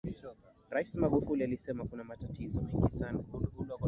raisi magufuli alisema kuna matatizo mengi sana